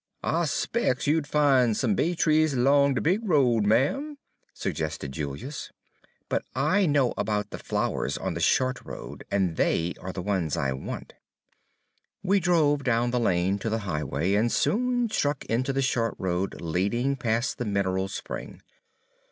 "I 'spec's you 'd fin' some bay trees 'long de big road, ma'm," suggested Julius. "But I know about the flowers on the short road, and they are the ones I want." We drove down the lane to the highway, and soon struck into the short road leading past the mineral spring.